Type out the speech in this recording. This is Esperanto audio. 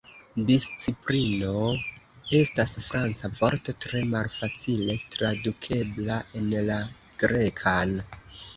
Disciplino estas Franca vorto tre malfacile tradukebla en la Grekan.